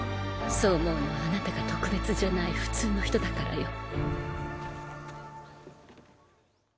そう思うのはあなたが特別じゃない普通の人だからよ。